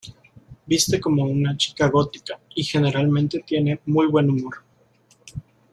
Viste como una chica gótica y generalmente tiene muy buen humor.